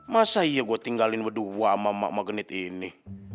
masa iya gue tinggalin berdua sama mak magnet ini